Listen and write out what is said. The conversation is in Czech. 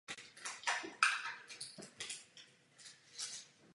Raoul to nevydrží a běží do pavilonu své ženě otevřít.